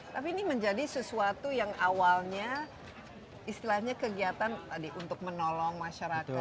tapi ini menjadi sesuatu yang awalnya istilahnya kegiatan tadi untuk menolong masyarakat